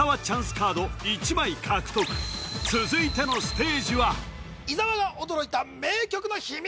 カード１枚獲得続いてのステージは伊沢が驚いた名曲の秘密